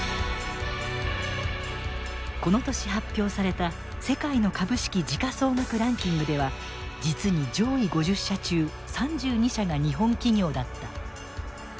この年発表された世界の株式時価総額ランキングでは実に上位５０社中３２社が日本企業だった。